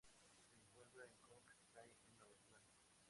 Se encuentra en Cook Strait en Nueva Zelanda.